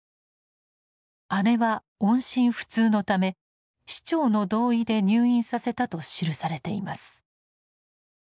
姉は音信不通のため市長の同意で入院させたと記されています。